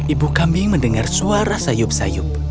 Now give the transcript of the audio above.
ibu kambing mendengar suara sayup sayup